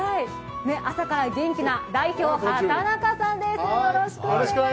朝から元気な代表、畑中さんです。